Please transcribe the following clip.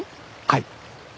はい。